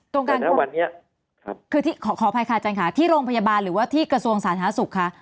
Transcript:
แต่ในวันนี้ขอโทษค่ะอาจารย์ค่ะที่โรงพยาบาลหรือว่าที่กระทรวงสาธารณสุขค่ะ